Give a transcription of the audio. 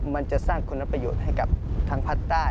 มันจะสร้างคุณประโยชน์ให้กับทางภาคใต้